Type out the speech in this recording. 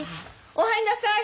お入んなさい。